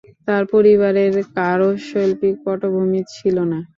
তাঁর পরিবারের কারও শৈল্পিক পটভূমি ছিল না।